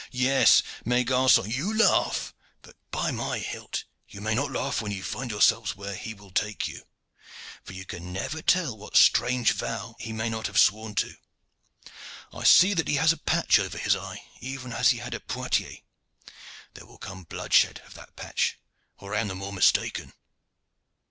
yes, mes garcons, you laugh, but, by my hilt! you may not laugh when you find yourselves where he will take you, for you can never tell what strange vow he may not have sworn to. I see that he has a patch over his eye, even as he had at Poictiers. There will come bloodshed of that patch, or I am the more mistaken."